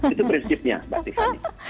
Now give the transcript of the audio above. itu prinsipnya mbak tiffany